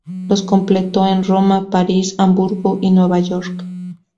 Los completó en Roma, París, Hamburgo y Nueva York.